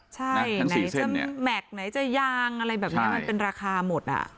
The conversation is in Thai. ใช่ไหนจะแม็กซ์ไหนจะยางอะไรแบบนี้มันเป็นราคาหมดอ่ะ